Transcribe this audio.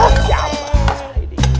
masa allah siapa sih itu